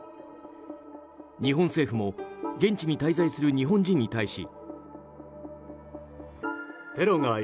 日本政府も現地に滞在する日本人に対し。